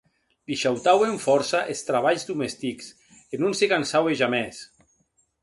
Li shautauen fòrça es trabalhs domestics, e non se cansaue jamès.